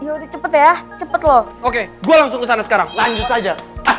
oke gue langsung kesana sekarang lanjut aja